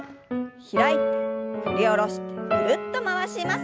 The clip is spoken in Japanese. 開いて振り下ろしてぐるっと回します。